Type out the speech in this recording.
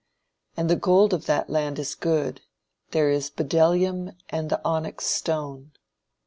"And the gold of that land is good: there is bdellium and the onyx stone.